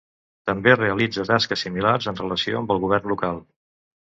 També realitza tasques similars en relació amb el govern local.